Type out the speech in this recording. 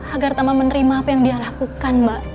agar tama menerima apa yang dia lakukan mbak